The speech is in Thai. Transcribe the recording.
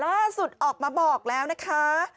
ล่าสุดออกมาบอกแล้วนะคะ